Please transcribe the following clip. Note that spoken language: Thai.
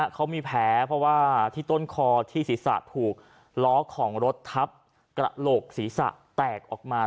เขามีแผลเพราะว่าที่ต้นคอที่ศีรษะถูกล้อของรถทับกระโหลกศีรษะแตกออกมา